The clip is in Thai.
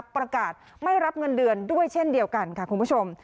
ประกาศไม่รับเงินเดือนด้วยเช่นเดียวกันค่ะคุณผู้ชม